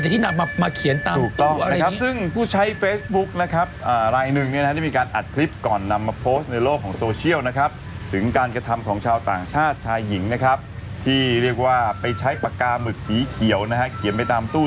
ตอนนี้ก็ได้เวลาประกาศรายชื่อผู้โชคดีที่ร่วมกิจกรรม